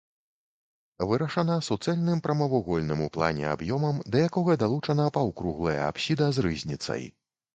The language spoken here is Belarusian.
Вырашана суцэльным прамавугольным у плане аб'ёмам, да якога далучана паўкруглая апсіда з рызніцай.